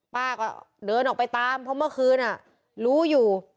ป้าก็เดินออกไปตามเพราะเมื่อคืนรู้อยู่